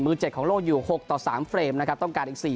มือเจ็ดของโลกอยู่หกต่อสามเฟรมนะครับต้องการอีกสี่